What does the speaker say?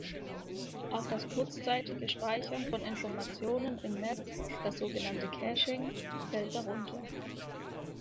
Auch das kurzzeitige Speichern von Informationen im Netz, das sogenannte cashing, fällt darunter.